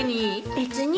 別に。